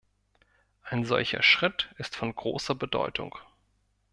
Ein solcher Schritt ist von großer Bedeutung.